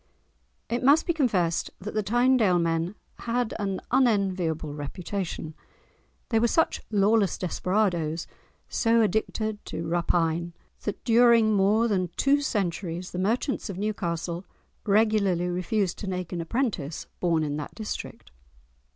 It must be confessed that the Tynedale men had an unenviable reputation. They were such lawless desperadoes, so addicted to rapine, that during more than two centuries the merchants of Newcastle regularly refused to take an apprentice born in that district.